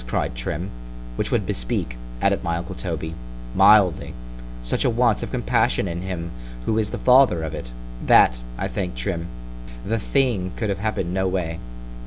cried Trim—Which would bespeak, added my uncle Toby, mildly, such a want of compassion in him who is the father of it——that, I think, Trim——the thing could have happen'd no way.